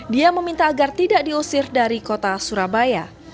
dia meminta agar tidak diusir dari kota surabaya